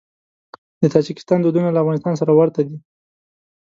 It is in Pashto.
د تاجکستان دودونه له افغانستان سره ورته دي.